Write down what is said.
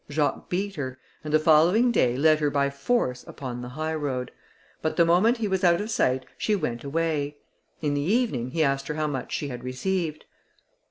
Jacques beat her, and the following day led her by force upon the high road; but the moment he was out of sight she went away. In the evening, he asked her how much she had received.